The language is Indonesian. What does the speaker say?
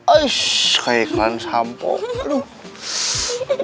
aish keiklan sampo aduh